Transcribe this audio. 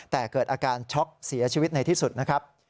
แต่เกิดอาการช็อกเสียชีวิตในที่สุดนะครับ